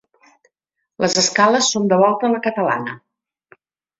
Les escales són de volta a la catalana.